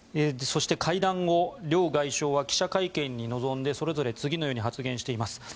そして、会談後両外相は記者会見に臨んでそれぞれ次のように発言しています。